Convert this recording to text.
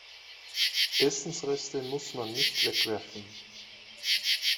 Essensreste muss man nicht wegwerfen.